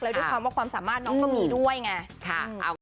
แล้วด้วยความว่าความสามารถน้องก็มีด้วยไง